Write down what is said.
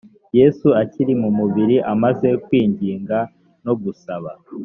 yesu akiri mu mubiri amaze kwinginga no gusaba